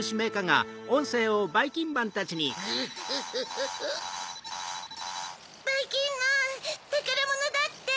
・グッフフフ・ばいきんまんたからものだって！